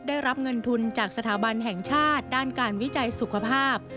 ได้รับเงินทุนจากสถาบันแห่งชาติด้านการวิจัยสุขภาพ